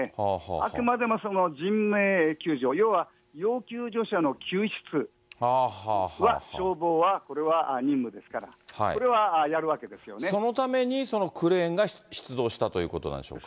あくまでも人命救助、要は要救助者の救出は消防はこれは任務ですから、そのために、そのクレーンが出動したということなんでしょうか。